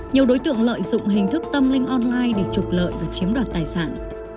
nhiều đối tượng lợi dụng hình thức tâm linh online để trục lợi và chiếm đoạt tài sản